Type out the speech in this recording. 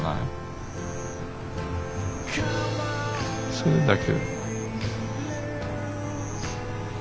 それだけ。